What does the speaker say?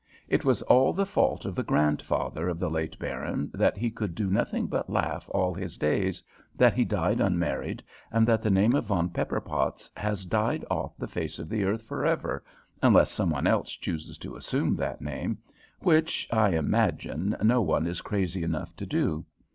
It was all the fault of the grandfather of the late Baron that he could do nothing but laugh all his days, that he died unmarried, and that the name of Von Pepperpotz has died off the face of the earth forever, unless some one else chooses to assume that name, which, I imagine, no one is crazy enough to do.